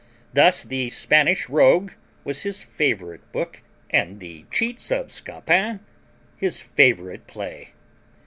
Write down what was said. Thus the Spanish Rogue was his favourite book, and the Cheats of Scapin his favourite play.